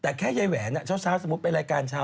แต่แค่ยายแหวนเช้าเป็นรายการเช้า